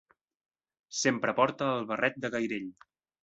Sempre porta el barret de gairell.